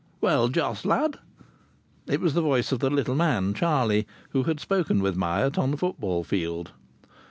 "Well, Jos lad!" It was the voice of the little man, Charlie, who had spoken with Myatt on the football field.